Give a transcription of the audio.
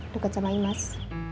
deket sama imas